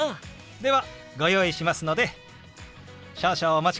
ではご用意しますので少々お待ちくださいね。